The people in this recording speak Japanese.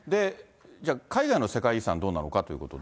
じゃあ、海外の世界遺産、どうなのかということで。